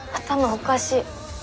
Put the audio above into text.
おかしい。